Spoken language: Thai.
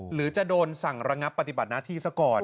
หรือจะโดนสั่งระงับปฏิบัติหน้าที่ซะก่อน